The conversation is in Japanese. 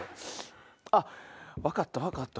あっ分かった分かった